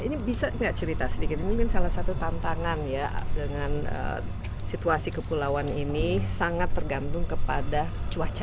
ini bisa nggak cerita sedikit mungkin salah satu tantangan ya dengan situasi kepulauan ini sangat tergantung kepada cuaca